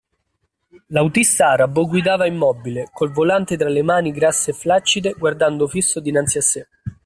L’autista arabo guidava immobile, col volante tra le mani grasse e flaccide, guardando fisso dinanzi a sé.